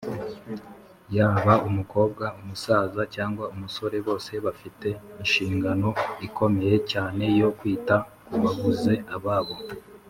yaba umukobwa , umusaza cyangwa umusore bose bafite inshingano ikomeye cyane yo kwita kubabuze ababo